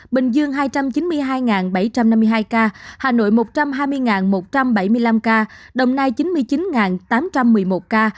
bình dương hai trăm chín mươi hai bảy trăm năm mươi hai ca hà nội một trăm hai mươi một trăm bảy mươi năm ca đồng nai chín mươi chín tám trăm một mươi một ca